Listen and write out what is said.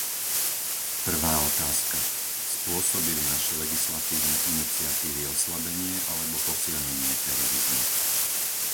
Prvá otázka. Spôsobili naše legislatívne iniciatívy oslabenie alebo posilnenie terorizmu?